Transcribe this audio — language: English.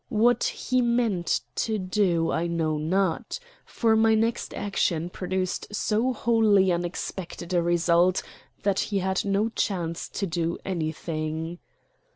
What he meant to do I know not, for my next action produced so wholly unexpected a result that he had no chance to do anything.